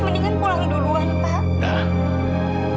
mendingan pulang duluan pak